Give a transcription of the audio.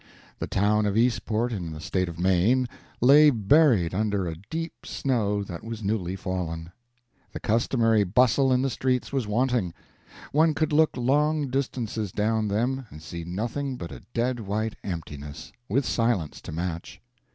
The town of Eastport, in the state of Maine, lay buried under a deep snow that was newly fallen. The customary bustle in the streets was wanting. One could look long distances down them and see nothing but a dead white emptiness, with silence to match.